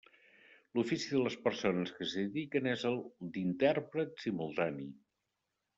L'ofici de les persones que s'hi dediquen és el d'intèrpret simultani.